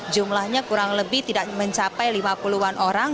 jumlahnya kurang lebih tidak mencapai lima puluhan orang